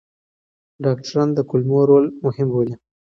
ډاکټران د کولمو رول مهم بولي.